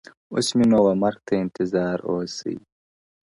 • اوس مي نو ومرگ ته انتظار اوسئ ـ